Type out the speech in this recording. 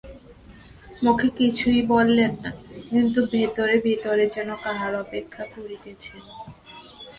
মুখে কিছুই বলেন না, কিন্তু ভিতরে ভিতরে যেন কাহার অপেক্ষা করিতেছেন।